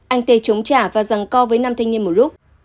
anh tê chống trả và rẳng co với năm thanh niên một lúc